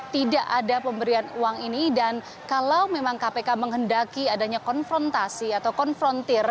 tidak ada pemberian uang ini dan kalau memang kpk menghendaki adanya konfrontasi atau konfrontir